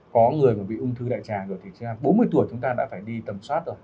có người mà bị ung thư đại trạng rồi thì bốn mươi tuổi chúng ta đã phải đi tầm soát rồi